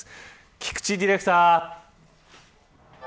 菊池ディレクター。